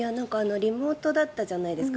リモートだったじゃないですか。